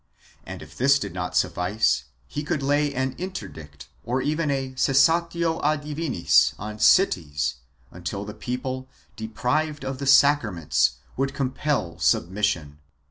and, if this did not suffice, he could lay an interdict or even a cessatio a divinis on cities, until the people, deprived of the .sacraments, would compel submission.